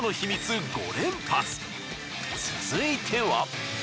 続いては。